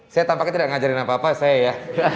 saya tampaknya tidak ngajarin apa apa saya ya